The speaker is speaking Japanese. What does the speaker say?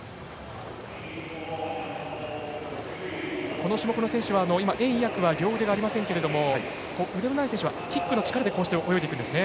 この種目の選手袁偉訳は両腕がないですが腕のない選手はキックの力で泳いでいくんですね。